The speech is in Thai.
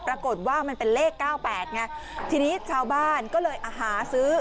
ปรากฏว่ามันเป็นเลขเก้าแปดไงทีนี้ชาวบ้านก็เลยหาซื้อ